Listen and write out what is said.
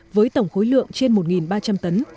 với tổng khối lượng trên một ba trăm linh tấn